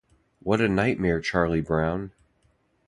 What a Nightmare, Charlie Brown!